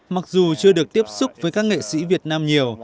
mặc dù chưa được tiếp xúc với các nghệ sĩ việt nam nhiều